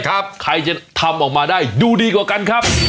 ใครจะทำออกมาดีกว่ากัน